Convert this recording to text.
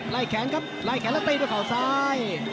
ไล่แขนแล้วเต้นด้วยข่าวซ้าย